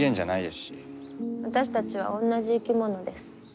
私たちは同じ生き物です。